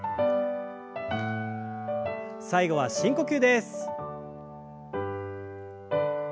最後は深呼吸です。